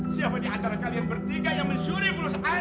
siapa di antara kalian bertiga yang mencuri pelusa ana